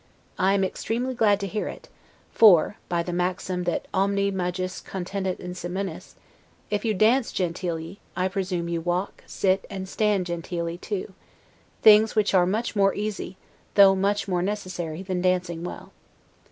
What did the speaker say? I am extremely glad to hear it; for (by the maxim, that 'omne majus continet in se minus'), if you dance genteelly, I presume you walk, sit, and stand genteelly too; things which are much more easy, though much more necessary, than dancing well.